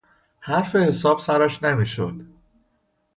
حرف حساب سرش نمیشد.